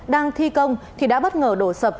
đang thi công thì đã bất ngờ đổ sập